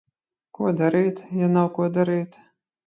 Ko darīt, ja nav, ko darīt?